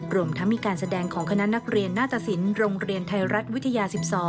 รวมทั้งมีการแสดงของคณะนักเรียนหน้าตสินโรงเรียนไทยรัฐวิทยา๑๒